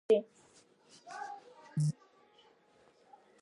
მხარის ადმინისტრაციული ცენტრია ქალაქი ქუთაისი.